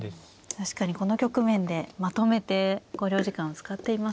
確かにこの局面でまとめて考慮時間を使っていますね。